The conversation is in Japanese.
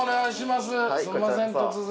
すんません突然。